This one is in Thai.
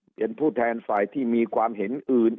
เป็นผู้แทนฝ่ายที่มีความเห็นอื่น